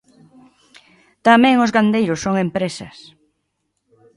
Tamén os gandeiros son empresas.